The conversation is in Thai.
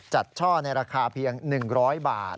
ช่อในราคาเพียง๑๐๐บาท